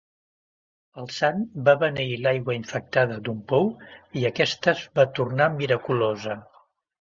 El sant va beneir l’aigua infectada d’un pou i aquesta es va tornar miraculosa.